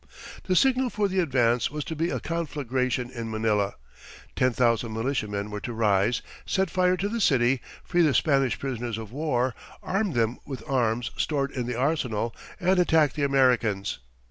The signal for the advance was to be a conflagration in Manila. Ten thousand militiamen were to rise, set fire to the city, free the Spanish prisoners of war, arm them with arms stored in the arsenal, and attack the Americans.